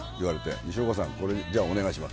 西岡さん、これお願いします。